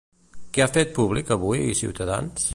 Què ha fet públic avui Ciutadans?